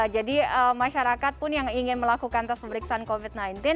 jadi masyarakat pun yang ingin melakukan tes pemeriksaan covid sembilan belas